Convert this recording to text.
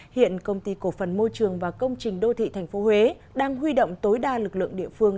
hiện công ty cổ phần môi trường và công trình đô thị tp huế đang huy động tối đa lực lượng địa phương